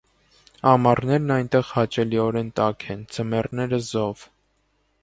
Ամառներն այստեղ հաճելիորեն տաք են, ձմեռները՝ զով։